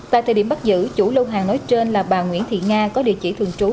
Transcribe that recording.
tại thời điểm bắt giữ chủ lô hàng nói trên là bà nguyễn thị nga có địa chỉ thường trú